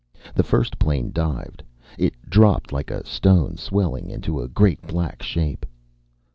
The first plane dived. It dropped like a stone, swelling into a great black shape.